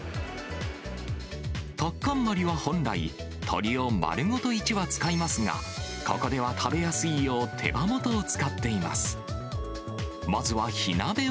タッカンマリは本来、鶏を丸ごと１羽使いますが、ここでは食べやすいよう、手羽元を使っています。